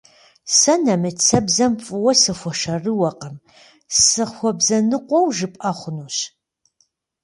Сэ нэмыцэбзэм фӏыуэ сыхуэшэрыуэкъым, сыхуэбзэныкъуэу жыпӏэ хъунущ.